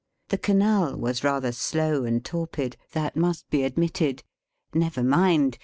The canal was rather slow and torpid; that must be admitted. Never mind.